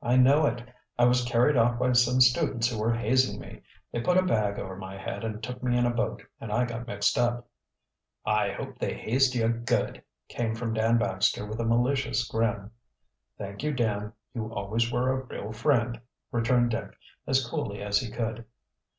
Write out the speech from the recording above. "I know it. I was carried off by some students who were hazing me. They put a bag over my head and took me in a boat, and I got mixed up. "I hope they hazed you good," came from Dan Baxter with a malicious grin. "Thank you, Dan, you always were a real friend," returned Dick, as coolly as he could.